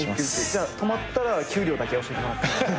じゃあ止まったら給料だけ教えてもらっていい？